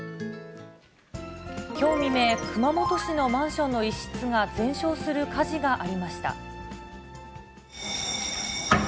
きょう未明、熊本市のマンションの一室が全焼する火事がありました。